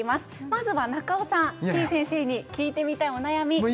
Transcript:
まずは中尾さんてぃ先生に聞いてみたいお悩み何ですか？